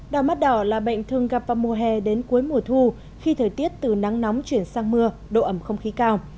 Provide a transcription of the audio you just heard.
đau mắt đỏ là bệnh thường gặp vào mùa hè đến cuối mùa thu khi thời tiết từ nắng nóng chuyển sang mưa độ ẩm không khí cao